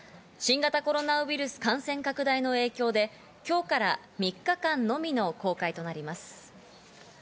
新型コロナウイルス感染拡大の影響で今日から３日間のみの公開となります。